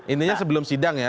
intinya sebelum sidang ya